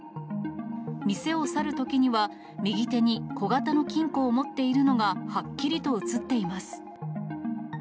店を去るときには、右手に小型の金庫を持っているのがはっきりと写っています。